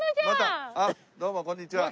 あっどうもこんにちは。